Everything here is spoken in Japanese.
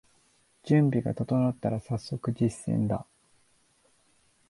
準備が整ったらさっそく実践だ